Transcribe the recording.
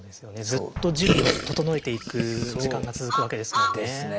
ずっと準備を整えていく時間が続くわけですもんね。ですね。